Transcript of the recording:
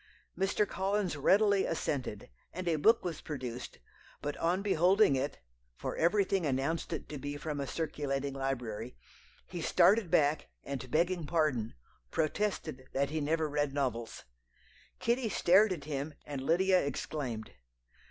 Mr. Collins readily assented, and a book was produced; but on beholding it (for everything announced it to be from a circulating library), he started back, and begging pardon, protested that he never read novels. Kitty stared at him, and Lydia exclaimed.